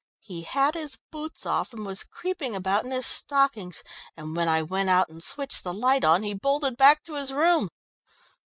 He had his boots off and was creeping about in his stockings, and when I went out and switched the light on he bolted back to his room.